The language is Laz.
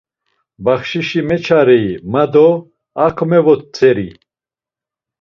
Baxşişi meçarei, ma do a komevotzeri.